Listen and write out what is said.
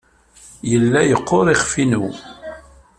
Yella yeqqur yiɣef-inu.